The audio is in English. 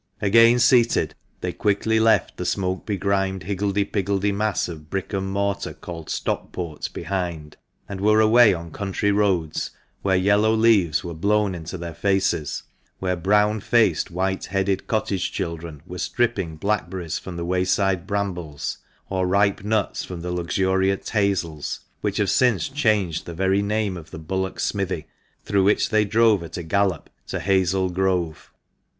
Again seated, they quickly left the smoke begrimed, higgledy piggledy mass of brick and mortar called 'Stockport' behind, and were away on country roads, where yellow leaves were blown into their faces, where brown faced, white headed cottage children were stripping blackberries from the wayside brambles, or ripe nuts from the luxuriant hazels which have since changed the very name of the Bullock Smithy, through which they drove at a gallop, to Hazel Grove.